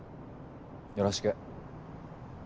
よろしく。